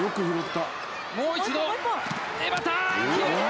もう一度江畑決めた！